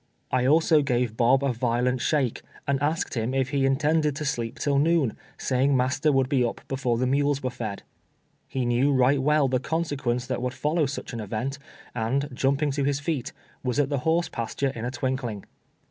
I also gave B<;>1) a violent shake, and asked him if he intended to sleep till noon, saying master would be up before the mules were fed. lie knew right well the consequence that would follow such an event, and, jumping to his feet, was at the hoi se pasture in a twinkling.